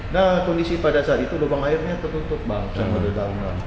nah kondisi pada saat itu lubang airnya tertutup banget